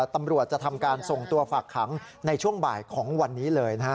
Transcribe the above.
ตำรวจจะทำการส่งตัวฝากขังในช่วงบ่ายของวันนี้เลย